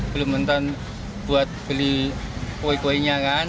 belum nonton buat beli kue kuenya kan